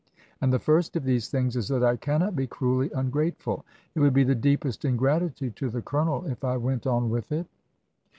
And the first of these things is that I cannot be cruelly ungrateful. It would be the deepest ingratitude to the Colonel if I went on with it."